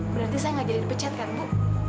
berarti saya nggak jadi dipecat kan bu